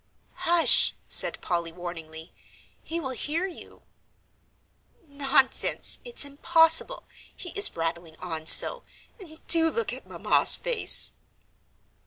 "Hush!" said Polly, warningly, "he will hear you." "Nonsense it's impossible; he is rattling on so; and do look at Mamma's face!"